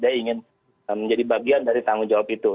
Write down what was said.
dia ingin menjadi bagian dari tanggung jawab itu